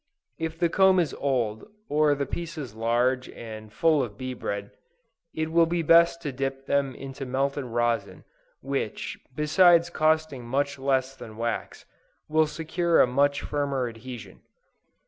If the comb is old, or the pieces large and full of bee bread, it will be best to dip them into melted rosin, which, besides costing much less than wax, will secure a much firmer adhesion.